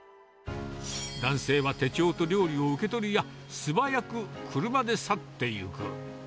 男性は手帳と料理を受け取るや、素早く車で去ってゆく。